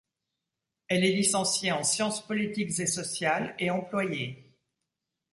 Elle est licenciée en sciences politiques et sociales et employée.